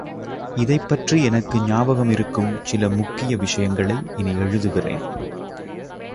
இதைப்பற்றி எனக்கு ஞாபகம் இருக்கும் சில முக்கிய விஷயங்களை இனி எழுதுகிறேன்.